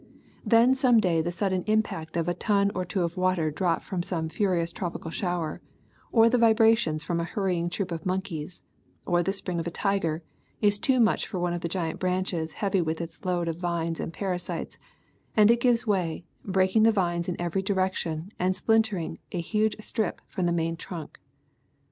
Then some day the sudden impact of a ton or two of water dropped from some furious tropical shower, or the vibra tions from a hurrying troop of monkeys, or the spring of a tiger, is too much for one of the giant branches heavy with its load of vines and parasites, and it gives way, breaking the vines in ewerj direction and splitting a huge strip from the main trunk.